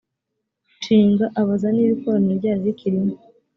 nshinga abaza niba ikoraniro ryari rikirimo